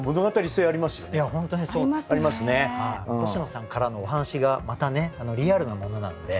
星野さんからのお話がまたリアルなものなので。